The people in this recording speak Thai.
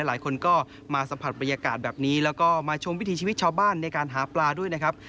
หลายคนก็มาสัมผัสบรรยากาศแบบนี้แล้วก็มาชมวิถีชีวิตชาวบ้านในการหาปลาด้วยนะครับ